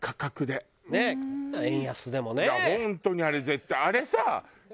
本当にあれ絶対あれさ。